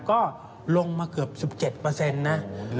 ก็ลงมาเกือบ๑๗นะ